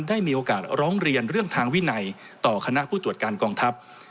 ได้มีโอกาสร้องเรียนเรื่องทางวินัยต่อคณะผู้ตรวจการกองทัพ